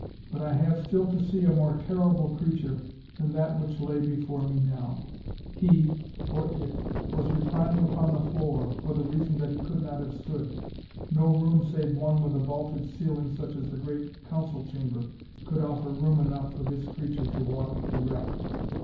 But I have still to see a more terrible creature than that which lay before me now. He or it was reclining upon the floor, for the reason that he could not have stood. No room save one with a vaulted ceiling such as the great council chamber, could offer room enough for this creature to walk erect.